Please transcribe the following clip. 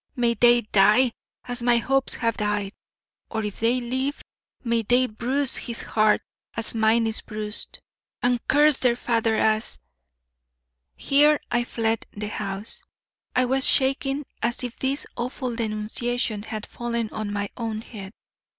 May they die as my hopes have died, or, if they live, may they bruise his heart as mine is bruised, and curse their father as " Here I fled the house. I was shaking as if this awful denunciation had fallen on my own head.